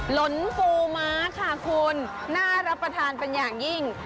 หลนฟูม้าค่ะคุณน่ารับประทานเป็นอย่างยิ่ง